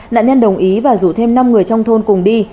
nạn nhân đồng ý và rủ thêm năm người trong thôn cùng đi